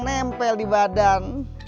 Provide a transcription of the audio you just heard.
nempel di badan